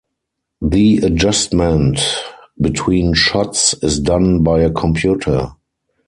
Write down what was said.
The adjustment between shots is done by a computer.